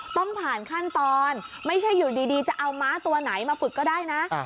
ต้องผ่านขั้นตอนไม่ใช่อยู่ดีจะเอาม้าตัวไหนมาฝึกก็ได้นะ